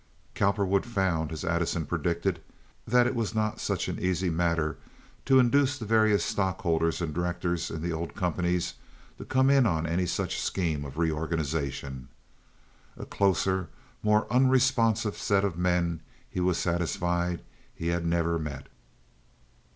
Cowperwood found, as Addison predicted, that it was not such an easy matter to induce the various stock holders and directors in the old companies to come in on any such scheme of reorganization. A closer, more unresponsive set of men he was satisfied he had never met.